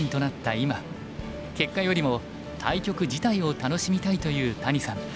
今「結果よりも対局自体を楽しみたい」という谷さん。